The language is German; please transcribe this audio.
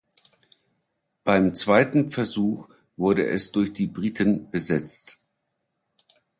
Beim zweiten Versuch wurde es durch die Briten besetzt.